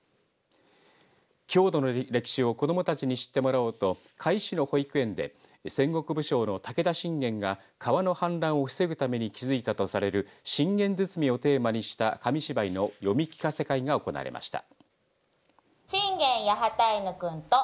郷土の歴史を子どもたちに知ってもらおうと甲斐市の戦国武将の武田信玄が川の氾濫を防ぐため築いたとされる信玄堤をテーマにした紙芝居の読み聞かせ会が行われました。